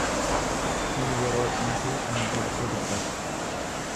Kan yeroo dhiisee, kan darbe dubbata.